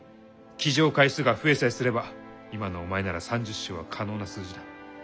騎乗回数が増えさえすれば今のお前なら３０勝は可能な数字だ。